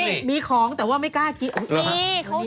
มีมีของแต่ว่าไม่กล้ากินอุ้ยนี่เขาใส่ไหม